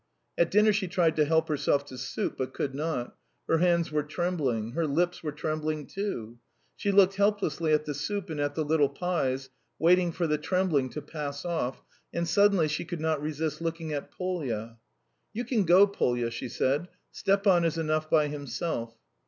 At dinner she tried to help herself to soup, but could not her hands were trembling. Her lips were trembling, too. She looked helplessly at the soup and at the little pies, waiting for the trembling to pass off, and suddenly she could not resist looking at Polya. "You can go, Polya," she said. "Stepan is enough by himself."